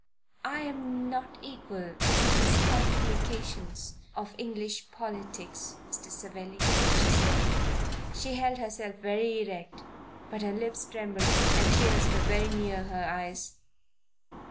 "I am not equal to these complications of English politics, Mr. Savelli," she said. She held herself very erect, but her lips trembled and tears were very near her eyes.